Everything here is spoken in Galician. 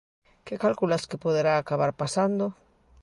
Que calculas que poderá acabar pasando?